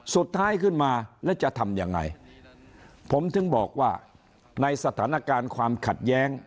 สุดท้ายขึ้นมาแล้วจะทำยังไงผมถึงบอกว่าในสถานการณ์ความขัดแย้ง